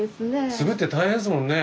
継ぐって大変ですもんね。